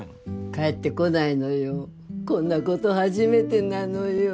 帰ってこないのよこんなこと初めてなのよ